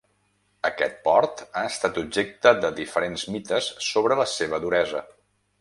Aquest port ha estat objecte de diferents mites sobre la seva duresa.